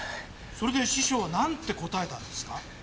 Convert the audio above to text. それで師匠はなんて答えたんですか？